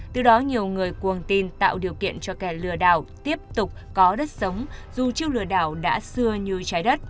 từ đó nhiều người cuồng tin tạo điều kiện cho kẻ lừa đảo tiếp tục có đất sống dù chiêu lừa đảo đã xưa như trái đất